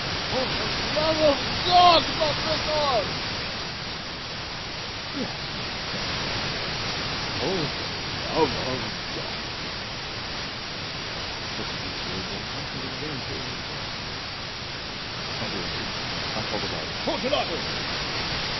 "For the love of God, Montresor!" "Yes," I said, "for the love of God!" But to these words I hearkened in vain for a reply. I grew impatient. I called aloud "Fortunato!"